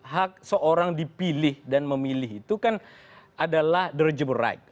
hak seorang dipilih dan memilih itu kan adalah derajab right